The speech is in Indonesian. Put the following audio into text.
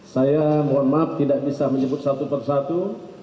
saya mohon maaf tidak bisa menyebut satu persatu